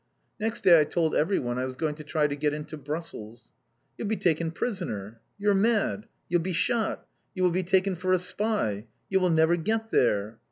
Next day, I told everyone I was going to try to get into Brussels. "You'll be taken prisoner!" "You're mad!" "You'll be shot!" "You will be taken for a spy!" "You will never get there!"